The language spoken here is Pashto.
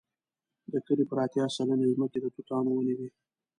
د کلي پر اتیا سلنې ځمکې د توتانو ونې وې.